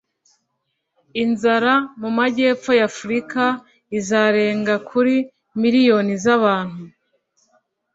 inzara mu majyepfo ya afurika izarenga kuri miliyoni z' abantu